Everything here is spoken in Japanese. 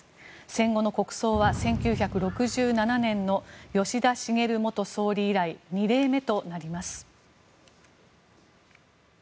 戦後の国葬は１９６７年の吉田茂元総理以来２例目となります。